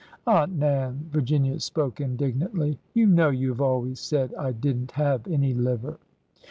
Aunt Nan !" Virginia spoke indignantly. " You know you have always said I did n't have any liver